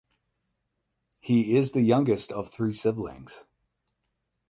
He is the youngest of three siblings.